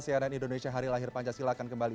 cnn indonesia hari lahir pancasila akan kembali